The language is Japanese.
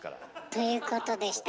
ということでした。